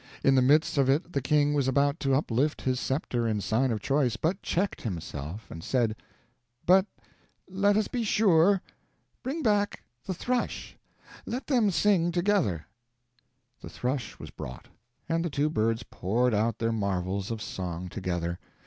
In the midst of it the king was about to uplift his scepter in sign of choice, but checked himself and said: "But let us be sure. Bring back the thrush; let them sing together." The thrush was brought, and the two birds poured out their marvels of song together.